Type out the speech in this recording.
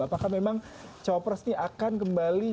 apakah memang cawapres ini akan kembali